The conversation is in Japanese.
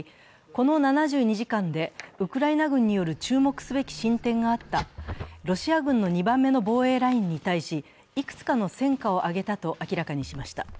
この７２時間でウクライナ軍による注目すべき進展があった、ロシア軍の２番目の防衛ラインに対し、いくつかの戦果を上げたと明らかにしました。